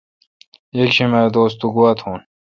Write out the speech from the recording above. یکشم اے° دوس تو گوا تھون۔